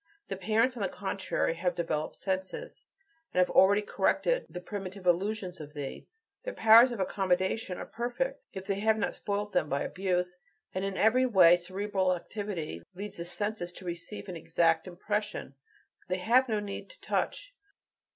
The parents, on the contrary, have developed senses, and have already corrected the primitive illusions of these; their powers of accommodation are perfect, if they have not spoilt them by abuse; in every way cerebral activity leads the senses to receive an exact impression; they have no need to touch.